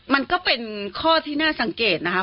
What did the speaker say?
มันก็เป็นข้อที่น่าสังเกตนะคะ